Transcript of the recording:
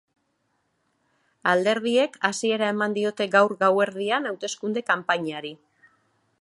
Alderdiek hasiera eman diote gaur gauerdian hauteskunde kanpainari.